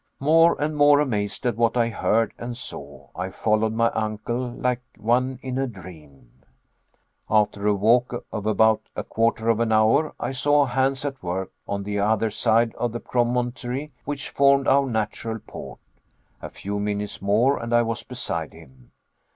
More and more amazed at what I heard and saw, I followed my uncle like one in a dream. After a walk of about a quarter of an hour, I saw Hans at work on the other side of the promontory which formed our natural port. A few minutes more and I was beside him.